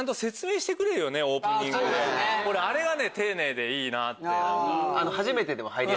俺あれが丁寧でいいなって。